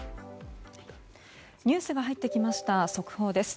ニュースが入ってきました、速報です。